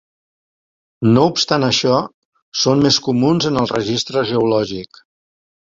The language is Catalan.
No obstant això, són més comuns en el registre geològic.